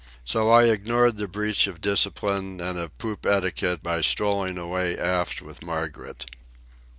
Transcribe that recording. So I ignored the breach of discipline and of poop etiquette by strolling away aft with Margaret.